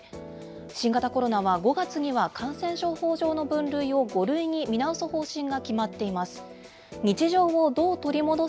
新型コロナは５月には感染症法上の分類を５類に見直す方針が決まっています。